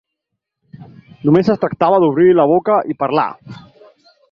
Només es tractava d'obrir la boca i parlar!